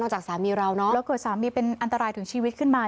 จากสามีเราเนอะแล้วเกิดสามีเป็นอันตรายถึงชีวิตขึ้นมา